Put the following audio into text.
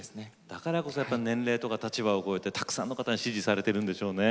だからこそやっぱ年齢とか立場を超えてたくさんの方に支持されてるんでしょうね。